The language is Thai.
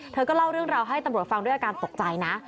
เธอก็เล่าเรื่องราวให้ตำรวจฟังด้วยอาการตกใจนะ